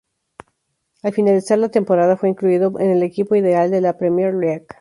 Al finalizar la temporada, fue incluido en el equipo ideal de la Premier League.